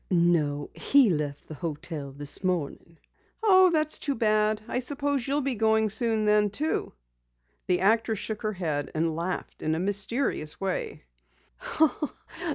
"No, he left the hotel this morning." "Oh, that's too bad. I suppose you'll be going soon, then?" The actress shook her head, and laughed in a mysterious way.